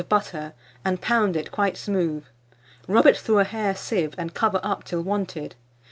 of butter, and pound it quite smooth; rub it through a hair sieve, and cover up till wanted.